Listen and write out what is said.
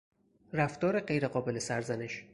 رفتار غیرقابل سرزنش